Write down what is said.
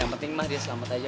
yang penting mah dia selamat aja